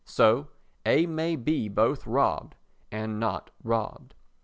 So A may be both robbed, and not robbed.